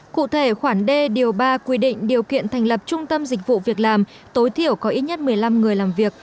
cụ thể khoản đề điều ba quy định điều kiện thành lập trung tâm dịch vụ việc làm tối thiểu có ít nhất một mươi năm người làm việc